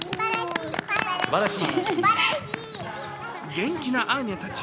元気なアーニャたち。